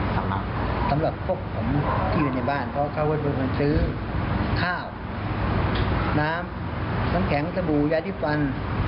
สำหรับพวกผมที่อยู่ในบ้านเพราะเขาก็เป็นคนซื้อข้าวน้ำน้ำน้ำแข็งสบู่ยาที่ฟัน